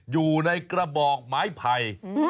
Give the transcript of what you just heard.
อยู่ในกระบอกไม้ไผ่